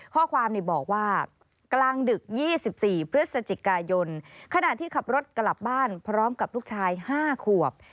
ข้อความบอกว่ากลางดึก๒๔พฤศจิกายนขณะที่ขับรถกลับบ้านพร้อมกับลูกชาย๕ขวบ